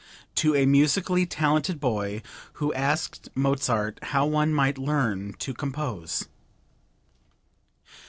(To a musically talented boy who asked Mozart how one might learn to compose.)